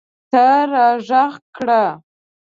ته راږغ کړه